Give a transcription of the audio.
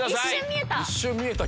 一瞬見えた！